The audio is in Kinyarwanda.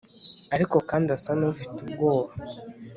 ariko kandi asa n’ufite ubwoba